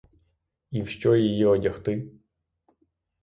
І в що її одягти?